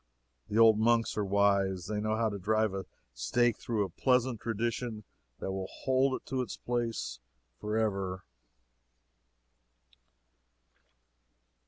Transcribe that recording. The old monks are wise. They know how to drive a stake through a pleasant tradition that will hold it to its place forever.